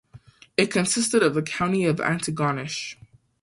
It consisted of the County of Antigonish.